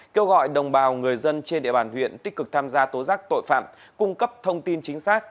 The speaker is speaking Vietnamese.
kêu gọi đồng bào người dân trên địa bàn huyện tích cực tham gia tố giác tội phạm cung cấp thông tin chính xác